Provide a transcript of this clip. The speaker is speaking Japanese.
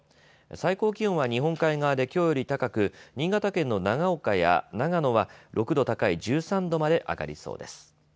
最高気温は日本海側できょうより高く、新潟県の長岡や長野は６度高い１３度まで上がりそうです。